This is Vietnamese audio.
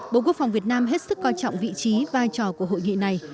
bộ quốc phòng việt nam hết sức coi trọng vị trí vai trò của hội nghị này